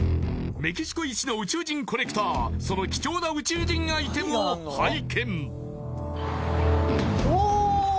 メキシコいちの宇宙人コレクターその貴重な宇宙人アイテムを拝見